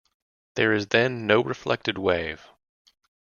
There is then no reflected wave.